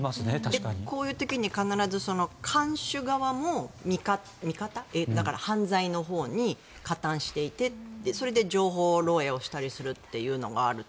こういう時に必ず看守側も味方だから、犯罪のほうに加担していてそれで情報漏えいをしたりするのがあるって。